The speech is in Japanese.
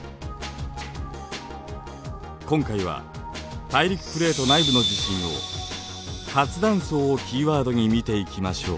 今回は大陸プレート内部の地震を「活断層」をキーワードに見ていきましょう。